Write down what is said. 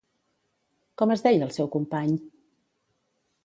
Com es deia el seu company?